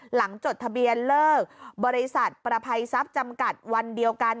จดทะเบียนเลิกบริษัทประภัยทรัพย์จำกัดวันเดียวกัน